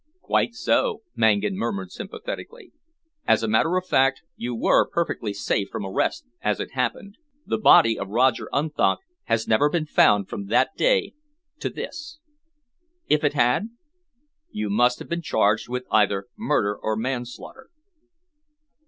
"Quite so," Mangan murmured sympathetically. "As a matter of fact, you were perfectly safe from arrest, as it happened. The body of Roger Unthank has never been found from that day to this." "If it had " "You must have been charged with either murder or manslaughter."